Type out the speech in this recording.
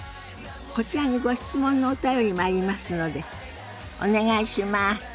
こちらにご質問のお便りもありますのでお願いします。